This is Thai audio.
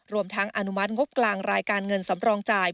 รวมทั้งอนุมัติงบกลางรายการเงินสำรองจ่าย